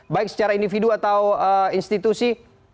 baik secara individu atau institusi